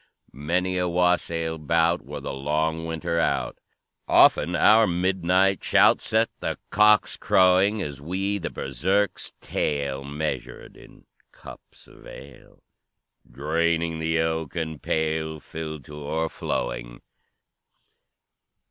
"Many a wassail bout Wore the long winter out; Often our midnight shout Set the cocks crowing, As we the Berserk's tale Measured in cups of ale, Draining the oaken pail, Filled to o'erflowing.